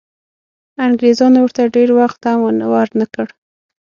انګریزانو ورته ډېر وخت هم ورنه کړ.